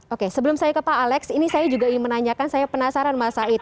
oke sebelum saya ke pak alex ini saya juga ingin menanyakan saya penasaran mas said